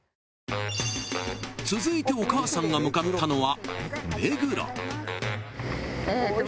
［続いてお母さんが向かったのは］